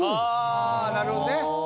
ああなるほどね。